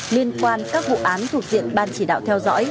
liên quan các vụ án thuộc diện ban chỉ đạo theo dõi